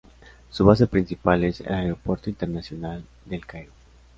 Su base principal es el Aeropuerto Internacional de El Cairo.